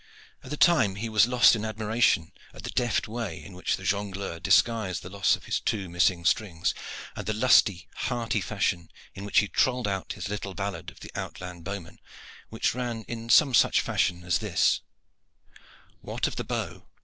At the time he was lost in admiration at the deft way in which the jongleur disguised the loss of his two missing strings, and the lusty, hearty fashion in which he trolled out his little ballad of the outland bowmen, which ran in some such fashion as this: What of the bow?